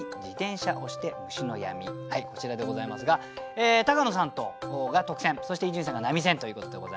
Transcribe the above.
こちらでございますが高野さんが特選そして伊集院さんが並選ということでございますね。